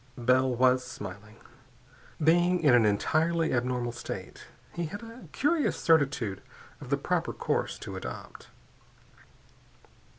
Bell was smiling. Being in an entirely abnormal state, he had a curious certitude of the proper course to adopt.